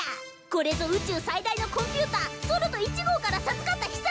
これぞ宇宙最大のコンピューターそると１号から授かった秘策！